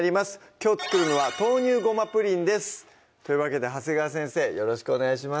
きょう作るのは「豆乳ごまプリン」ですというわけで長谷川先生よろしくお願いします